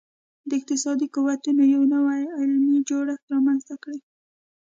د اقتصادي قوتونو یو نوی علمي جوړښت رامنځته کړي